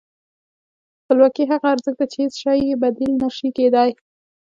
خپلواکي هغه ارزښت دی چې هېڅ شی یې بدیل نه شي کېدای.